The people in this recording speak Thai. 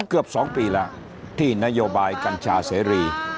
เกือบ๒ปีแล้วที่นโยบายกัญชาเสรี